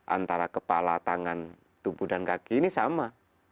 antara kepala tangan tubuh dan kaki ini sama